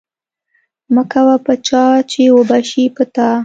مکوه په چا چی وبه شی په تا